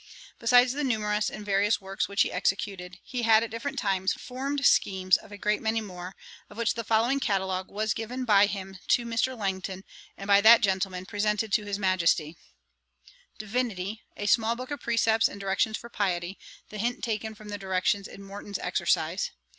Besides the numerous and various works which he executed, he had, at different times, formed schemes of a great many more, of which the following catalogue was given by him to Mr. Langton, and by that gentleman presented to his Majesty: 'DIVINITY. 'A small book of precepts and directions for piety; the hint taken from the directions in Morton's exercise.